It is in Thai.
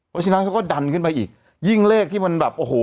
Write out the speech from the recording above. เพราะฉะนั้นเขาก็ดันขึ้นไปอีกยิ่งเลขที่มันแบบโอ้โห